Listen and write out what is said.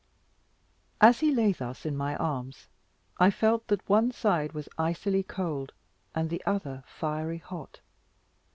As he lay thus in my arms, I felt that one side was icily cold, and the other fiery hot.